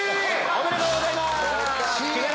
おめでとうございます！